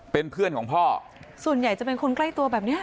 เป็นเพื่อนของพ่อส่วนใหญ่จะเป็นคนใกล้ตัวแบบเนี้ย